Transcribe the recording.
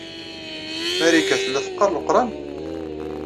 Marika tella teqqar Leqran?